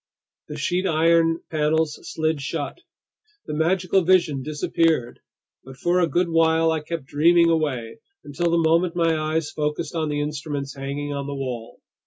The sheet iron panels slid shut. The magical vision disappeared. But for a good while I kept dreaming away, until the moment my eyes focused on the instruments hanging on the wall.